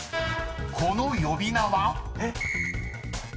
［この呼び名は？］